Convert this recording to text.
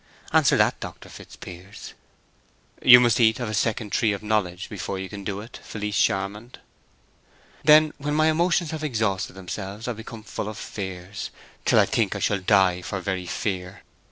Answer that, Dr. Fitzpiers." "You must eat of a second tree of knowledge before you can do it, Felice Charmond." "Then, when my emotions have exhausted themselves, I become full of fears, till I think I shall die for very fear.